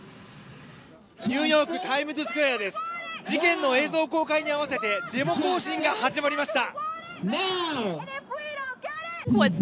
ニューヨークタイムズスクエアです事件の映像公開に合わせてデモ行進が始まりました